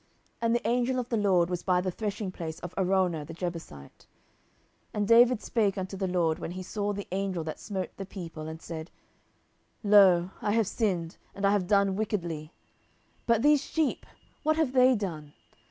And the angel of the LORD was by the threshingplace of Araunah the Jebusite. 10:024:017 And David spake unto the LORD when he saw the angel that smote the people, and said, Lo, I have sinned, and I have done wickedly: but these sheep, what have they done?